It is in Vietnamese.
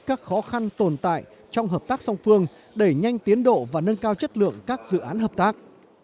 các khó khăn tồn tại trong hợp tác song phương đẩy nhanh tiến độ và nâng cao chất lượng các dự án hợp tác